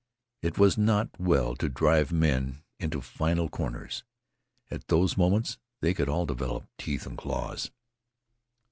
It was not well to drive men into final corners; at those moments they could all develop teeth and claws.